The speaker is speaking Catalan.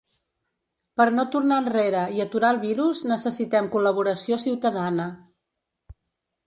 Per no tornar enrere i aturar el virus necessitam col·laboració ciutadana.